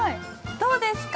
どうですか？